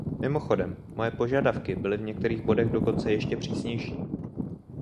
Mimochodem, moje požadavky byly v některých bodech dokonce ještě přísnější.